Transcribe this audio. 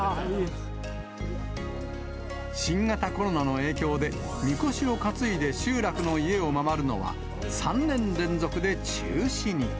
新型コロナの影響で、みこしを担いで集落の家を回るのは、３年連続で中止に。